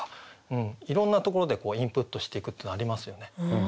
いろんなところでインプットしていくっていうのはありますよね。